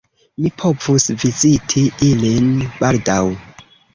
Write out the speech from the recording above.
Mi povus viziti ilin baldaŭ.